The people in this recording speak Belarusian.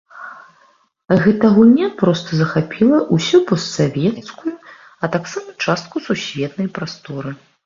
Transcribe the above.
Гэта гульня проста захапіла ўсю постсавецкую, а таксама частку сусветнай прасторы.